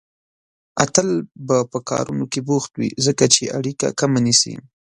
اتل به په کارونو کې بوخت وي، ځکه چې اړيکه کمه نيسي